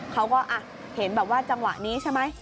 เขาก็เห็นแบบว่าจังหวะนี้ใช่ไหม